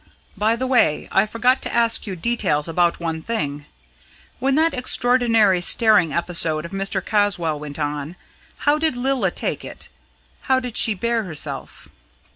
"By the way, I forgot to ask you details about one thing. When that extraordinary staring episode of Mr. Caswall went on, how did Lilla take it how did she bear herself?"